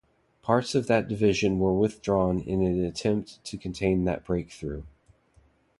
Parts of that Division were withdrawn in an attempt to contain that breakthrough.